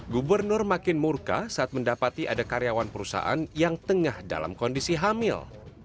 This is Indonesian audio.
gubernur makin murka saat mendapati ada karyawan perusahaan yang tengah dalam kondisi hamil